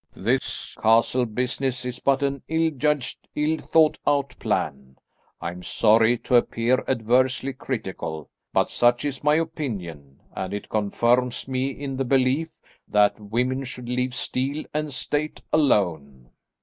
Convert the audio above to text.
This castle business is but an ill judged, ill thought out plan. I am sorry to appear adversely critical, but such is my opinion, and it confirms me in the belief that women should leave steel and State alone."